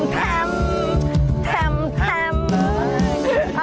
แธมแธมแธมแธม